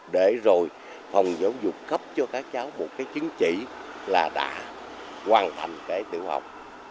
để rồi phòng giáo dục cấp cho các cháu một cái chứng chỉ là đã hoàn thành cái tiểu học